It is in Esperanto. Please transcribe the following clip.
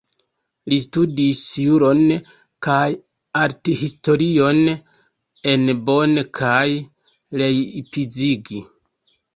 Li studis juron kaj arthistorion en Bonn kaj Leipzig.